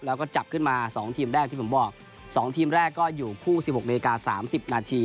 แล้วก็จับขึ้นมาสองทีมแรกที่ผมบอกสองทีมแรกก็อยู่คู่สิบหกนาฬิกาสามสิบนาที